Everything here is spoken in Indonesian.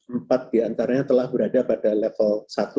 empat di antaranya telah berada pada level satu